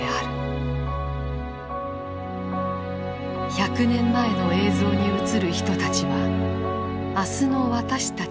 １００年前の映像に映る人たちは明日の私たちかもしれない。